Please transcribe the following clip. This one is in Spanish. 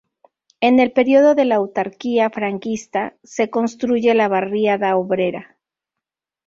En el período de la autarquía franquista se construye la barriada obrera.